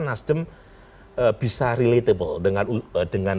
nasdem bisa relatable